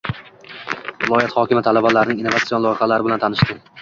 Viloyat hokimi talabalarning innovatsion loyihalari bilan tanishdi